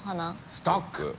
ストック」